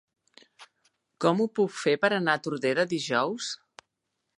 Com ho puc fer per anar a Tordera dijous?